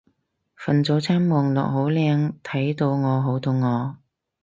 份早餐望落好靚睇到我好肚餓